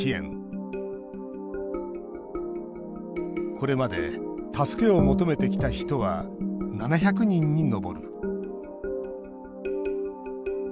これまで助けを求めてきた人は７００人に上る。